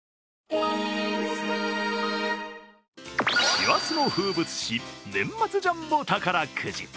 師走の風物詩、年末ジャンボ宝くじ。